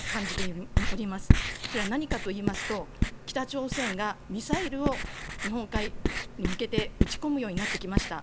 それは何かと言いますと、北朝鮮がミサイルを日本海に向けて撃ち込むようになってきました。